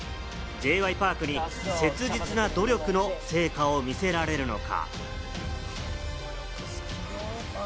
Ｊ．Ｙ．Ｐａｒｋに切実な努力の成果を見せられるのか。